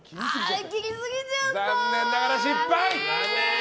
残念ながら失敗！